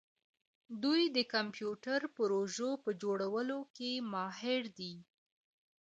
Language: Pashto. دوی د کمپیوټر پرزو په جوړولو کې ماهر دي.